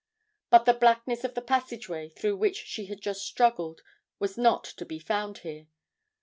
But the blackness of the passage way through which she had just struggled was not to be found here.